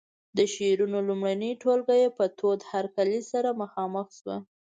د شعرونو لومړنۍ ټولګه یې په تود هرکلي سره مخامخ شوه.